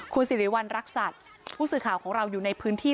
คุณสิริวัณรักษัตริย์ผู้สื่อข่าวของเราอยู่ในพื้นที่